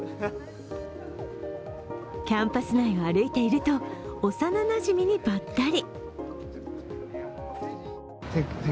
キャンパス内を歩いていると、幼なじみにばったり。